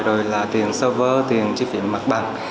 rồi là tiền server tiền chi phí mặt bằng